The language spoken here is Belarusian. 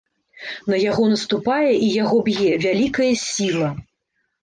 На яго наступае і яго б'е вялікая сіла.